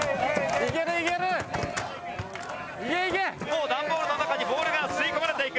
もうダンボールの中にボールが吸い込まれていく。